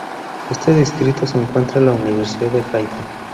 En este distrito se encuentra la Universidad de Haifa.